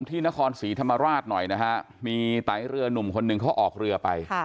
ที่นครศรีธรรมราชหน่อยนะฮะมีไตเรือหนุ่มคนหนึ่งเขาออกเรือไป